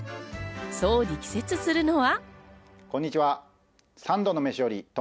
そう力説するのは。